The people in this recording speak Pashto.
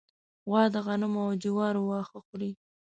غوا د غنمو او جوارو واښه خوري.